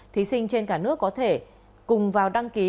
thí sinh trên cả nước có thể cùng vào đăng ký